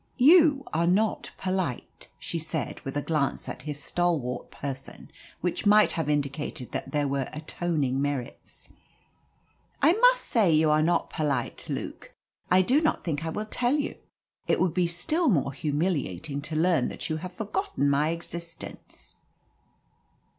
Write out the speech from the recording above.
"You are not polite," she said, with a glance at his stalwart person which might have indicated that there were atoning merits. "I must say you are not polite, Luke. I do not think I will tell you. It would be still more humiliating to learn that you have forgotten my existence."